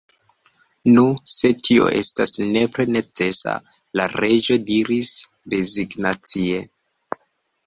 « Nu, se tio estas nepre necesa," la Reĝo diris rezignacie.